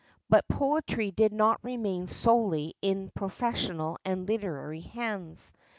But poetry did not remain solely in professional and literary hands.